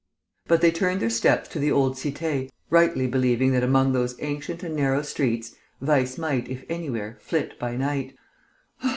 But they turned their steps to the old cité, rightly believing that among those ancient and narrow streets vice might, if anywhere, flit by night.